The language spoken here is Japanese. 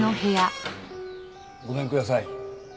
ごめんください。